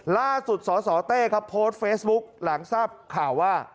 ล่าสุดสสเต้ครับโพสต์เฟซบุ๊กหลังทราบข่าวว่า